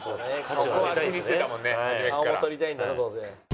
顔も撮りたいんだろどうせ。